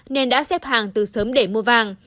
nên đã xếp hàng từ sớm để mua vàng